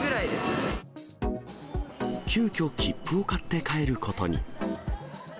急きょ、切符を買って帰ることに。